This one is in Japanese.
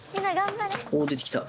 お出てきた。